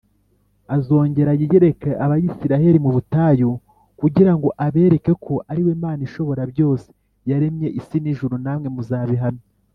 azongera yiyireke Abisirayeli mu butayu kugira ngo abereke ko ariwe Mana ishoborabyose yaremye isi n’ijuru namwe muzabihamya.